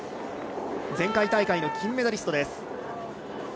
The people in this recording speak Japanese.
前回大会の金メダリストです。